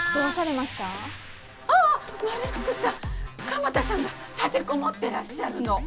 鎌田さんが立て籠もってらっしゃるの。